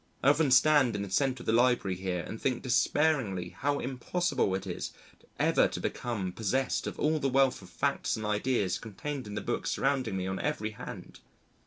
I often stand in the centre of the Library here and think despairingly how impossible it is ever to become possessed of all the wealth of facts and ideas contained in the books surrounding me on every hand.